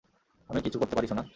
আমি কিছু করতে পারি, সোনা?